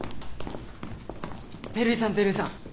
照井さん照井さん。